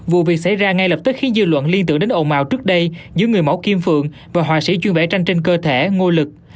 vụ việc xảy ra ngay lập tức khiến dư luận liên tưởng đến ồn mào trước đây giữa người mẫu kim phượng và hòa sĩ chuyên vẽ tranh trên cơ thể ngôi lực